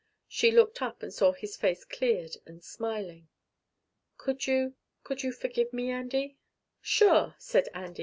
She looked up and saw his face cleared and smiling. "Could you could you forgive me, Andy?" "Sure," said Andy.